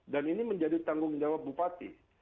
dan ini menjadi tanggung jawab bupati